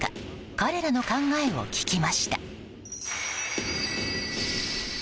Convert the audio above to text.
彼らの考えを聞きました。